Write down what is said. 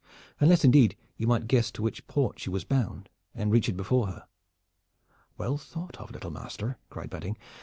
"Unless, indeed, you might guess to which port she was bound and reach it before her." "Well thought of, little master!" cried Badding.